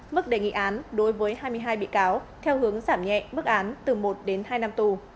mức đề nghị án đối với hai mươi hai bị cáo theo hướng giảm nhẹ mức án từ một đến hai năm tù